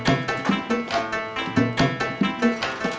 gue aja kita istirahat dulu ya skak